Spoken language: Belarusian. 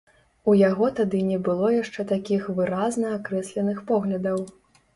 У яго тады не было яшчэ такіх выразна акрэсленых поглядаў.